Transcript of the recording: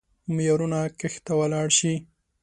معيارونه کښته ولاړ شي.